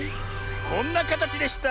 こんなかたちでした。